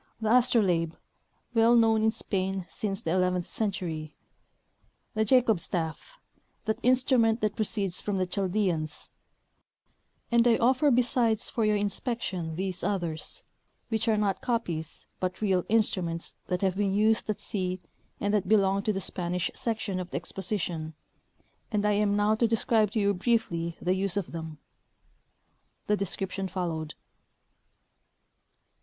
The astrolabe, well known in Spain since the eleventh century; the jacob stafF, that instrument that proceeds from the Chaldeans; and I offer besides for your inspection these others, which are not copies, but real instru ments that have been used at sea and that belong to the Spanish section of the exposition, and I am now to describe to you briefly the use of them. (The description followed.)